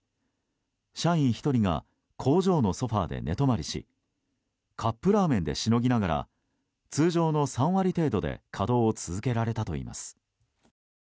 社員１人が工場のソファで寝泊まりしカップラーメンでしのぎながら通常の３割程度で稼働を続けられたといいます。